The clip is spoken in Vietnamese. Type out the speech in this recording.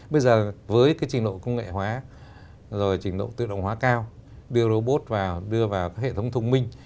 bây giờ với cái trình độ công nghệ hóa rồi trình độ tự động hóa cao đưa robot và đưa vào hệ thống thông minh